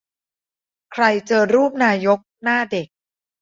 ใครเจอรูปนายกหน้าเด็ก